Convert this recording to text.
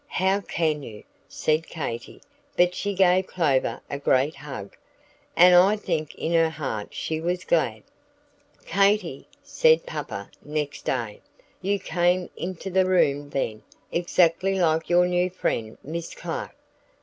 how can you?" said Katy But she gave Clover a great hug, and I think in her heart she was glad. "Katy," said Papa, next day, "you came into the room then, exactly like your new friend Miss Clark."